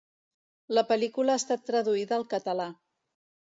La pel·lícula ha estat traduïda al català.